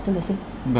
thưa đại sĩ